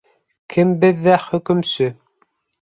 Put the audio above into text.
— Кем беҙҙә хөкөмсө?